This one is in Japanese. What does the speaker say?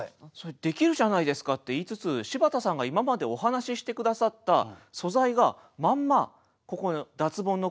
「できるじゃないですか」って言いつつ柴田さんが今までお話しして下さった素材がまんまここに脱ボンの句とし